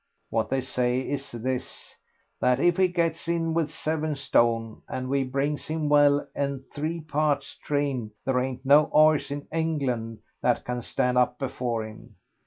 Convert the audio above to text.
What they say is this, that if he gets in with seven stone, and we brings him well and three parts trained, there ain't no 'orse in England that can stand up before him.